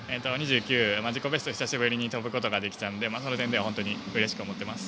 自己ベストを久しぶりに跳ぶことができたのでその点では本当にうれしく思っています。